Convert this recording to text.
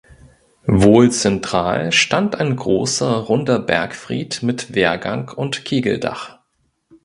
Wohl zentral stand ein großer runder Bergfried mit Wehrgang und Kegeldach.